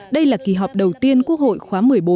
đây là kỳ họp đầu tiên quốc hội khóa một mươi bốn